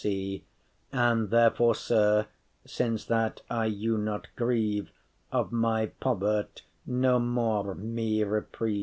*true And, therefore, Sir, since that I you not grieve, Of my povert’ no more me repreve.